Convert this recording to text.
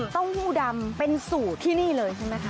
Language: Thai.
เต้าหู้ดำเป็นสูตรที่นี่เลยใช่ไหมคะ